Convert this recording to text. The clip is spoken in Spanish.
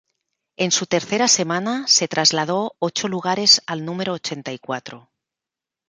En su tercera semana se trasladó ocho lugares al número ochenta y cuatro.